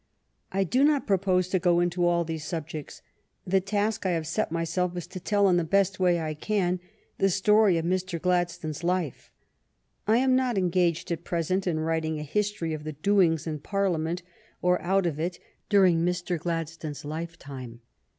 I do not purpose to go into all these subjects. The task I have set myself is to tell, in the best way I can, the story of Mr. Gladstone's life. I am not engaged at present in wTiting a history of the doings in Parliament or out of it during Mr. Gladstone's lifetime.